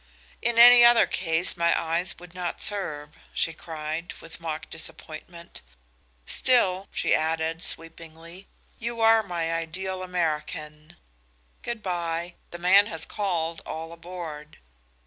"In any other case my eyes would not serve," she cried, with mock disappointment. "Still," she added, sweepingly, "you are my ideal American. Good by! The man has called 'all aboard!'"